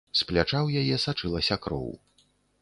З пляча ў яе сачылася кроў.